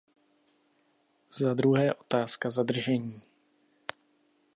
Zadruhé otázka zadržení.